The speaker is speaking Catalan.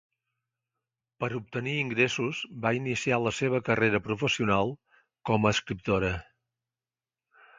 Per obtenir ingressos va iniciar la seva carrera professional com a escriptora.